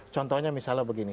contohnya misalnya begini